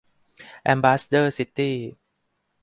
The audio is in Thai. แอมบาสเดอร์ซิตี้